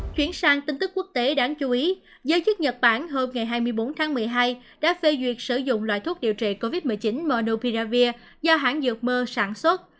chuyển sang tin tức quốc tế đáng chú ý giới chức nhật bản hôm ngày hai mươi bốn tháng một mươi hai đã phê duyệt sử dụng loại thuốc điều trị covid một mươi chín monopiravir do hãng dược mer sản xuất